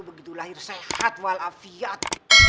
begitu lahir sehat walafiat